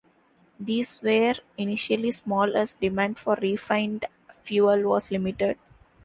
These were initially small as demand for refined fuel was limited.